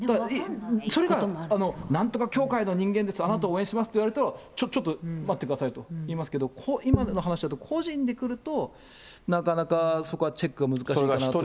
それがなんとか教会の人間です、あなたを応援しますと言われたら、ちょっと待ってくださいと言いますけど、今の話だと、個人で来ると、なかなかそこはチェックが難しいかなと。